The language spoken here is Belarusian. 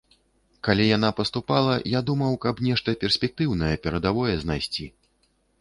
Калі яна паступала, я думаў, каб нешта перспектыўнае, перадавое знайсці.